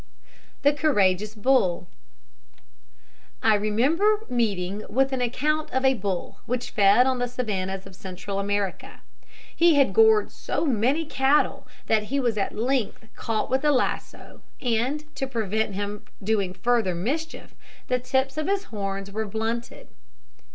THE COURAGEOUS BULL. I remember meeting with an account of a bull, which fed on the savannahs of Central America. He had gored so many cattle, that he was at length caught with a lasso, and to prevent him doing further mischief, the tips of his horns were blunted.